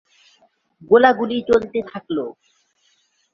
গোলাগুলি চলতে থাকল।